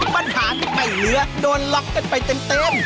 ปัญหานี้ไม่เหลือโดนล็อกกันไปเต็ม